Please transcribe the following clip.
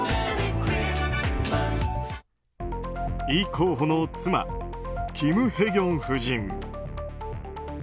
イ候補の妻、キム・ヘギョン夫人。